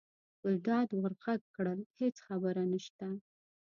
ګلداد ور غږ کړل: هېڅ خبره نشته.